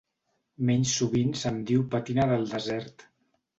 Menys sovint se'n diu pàtina del desert.